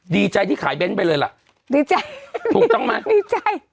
ดีใจที่ขายเบ้นไปเลยล่ะดีใจถูกต้องไหมดีใจ